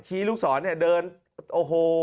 ชี้ลูกสอนเดินโอ้โห